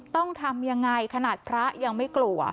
ต้องทำยังไงขนาดพระยังไม่กลัว